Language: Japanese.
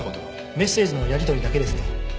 メッセージのやりとりだけですね。